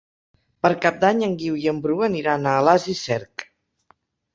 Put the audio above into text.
Per Cap d'Any en Guiu i en Bru aniran a Alàs i Cerc.